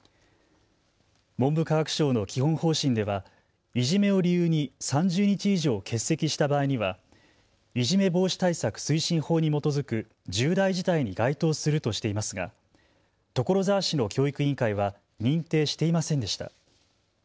文部科学省の基本方針ではいじめを理由に３０日以上欠席した場合にはいじめ防止対策推進法に基づく重大事態に該当するとしていますが所沢市の教育委員会は認定していませんでした。